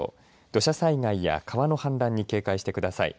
土砂災害や川の氾濫に警戒してください。